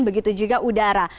begitu juga udara